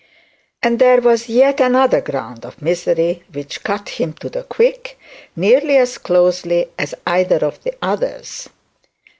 And there was yet another ground of misery which cut him to the quick, nearly as closely as either of the two others.